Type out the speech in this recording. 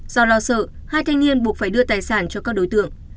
do lo sợ hai thanh niên buộc phải đưa tài sản cho các đối tượng